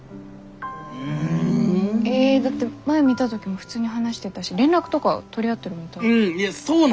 うん。えだって前見た時も普通に話してたし連絡とか取り合ってるみたいだし。